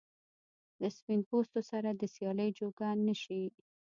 له سپین پوستو سره د سیالۍ جوګه نه شي.